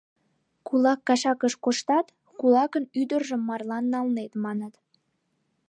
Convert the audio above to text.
«Кулак кашакыш коштат, кулакын ӱдыржым марлан налнет», — маныт...